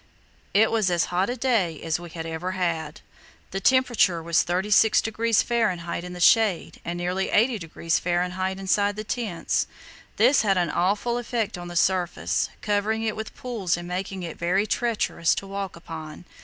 It was as hot a day as we had ever had. The temperature was 36° Fahr. in the shade and nearly 80° Fahr. inside the tents. This had an awful effect on the surface, covering it with pools and making it very treacherous to walk upon.